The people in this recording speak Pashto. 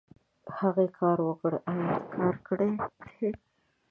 هغې کار وکړو ايا تا کار کړی دی ؟